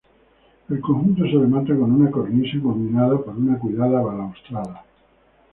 El conjunto se remata con una cornisa culminada por una cuidada balaustrada.